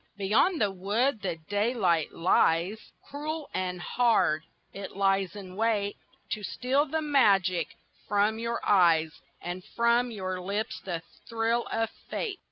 Beyond the wood the daylight lies; Cruel and hard, it lies in wait To steal the magic from your eyes And from your lips the thrill of fate.